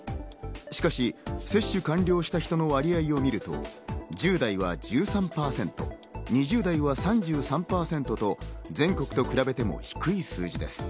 しかし接種を完了した人の割合をみると１０代は１３％、２０代は３３％と、全国と比べても低い数字です。